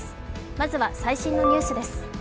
まずは最新のニュースです。